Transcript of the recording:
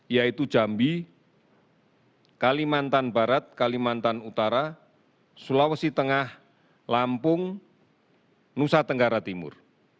yaitu jambi kalimantan barat kalimantan utara sulawesi tengah lampung nusa tenggara timur